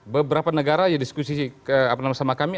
beberapa negara aja diskusi sama kami